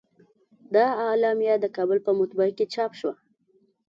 دا اعلامیه د کابل په مطبعه کې چاپ شوه.